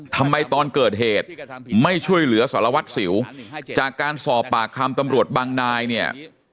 ทำไมตอนเกิดเหตุไม่ช่วยเหลือสารวัตรสิวจากการสอบปากคำตำรวจบางนายเนี่ย